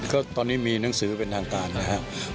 ก็ตอนนี้มีหนังสือเป็นทางการนะครับ